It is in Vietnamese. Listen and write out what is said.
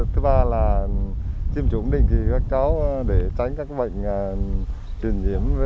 thứ ba là chìm chủng định kỳ các cháu để tránh các bệnh truyền nhiễm thường xuyên